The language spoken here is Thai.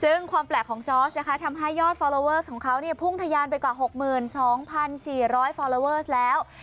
ซึ่งความแปลกของจอร์สนะคะทำให้ยอดฟอลลอเวอร์ของเขาพุ่งทะยานไปกว่า๖๒๔๐๐ฟอลลอเวอร์แล้ว